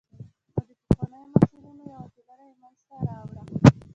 او د پخوانیو محصلینو یوه ټولنه یې منځته راوړه.